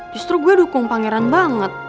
justru gue dukung pangeran banget